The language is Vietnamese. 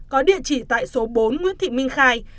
có địa chỉ tại số bốn nguyễn thị minh khai